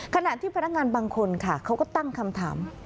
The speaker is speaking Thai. ขณะที่พนักงานบางคนค่ะเขาก็ตั้งคำถาม